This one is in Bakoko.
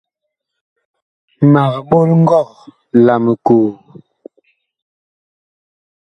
Mag ɓol ngɔg la mikoo.